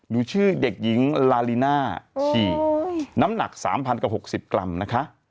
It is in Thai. ดูชื่อเด็กหญิงลาลิน่าฉีกน้ำหนัก๓๐๐กว่า๖๐กรัมนะคะ